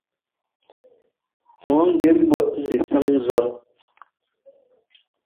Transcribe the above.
Mɔ ńgɛ ḿbʉ̈ɔʼ ŋgɛsáŋ zɔn.